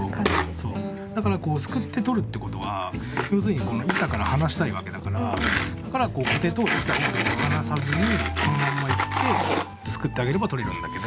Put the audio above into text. だからすくって取るってことは要するにこの板から離したいわけだからだからコテと板を離さずにこのまんまいってすくってあげれば取れるんだけど。